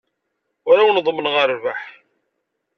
Ur awen-ḍemmneɣ rrbeḥ.